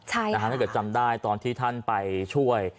ถ้าเกิดจำได้ตอนที่ท่านไปช่วย